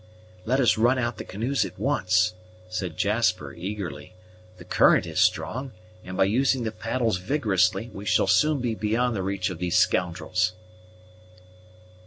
"Let us run out the canoes at once," said Jasper eagerly; "the current is strong, and by using the paddles vigorously we shall soon be beyond the reach of these scoundrels!"